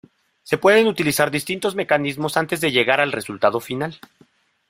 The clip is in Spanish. Se pueden utilizar distintos mecanismos antes de llegar al resultado final.